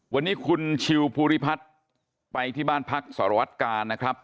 วันนี้คุณชิวภูริพัฒน์ไปที่บ้านพักสารวัตกาลนะครับ